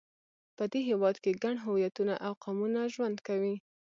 په دې هېواد کې ګڼ هویتونه او قومونه ژوند کوي.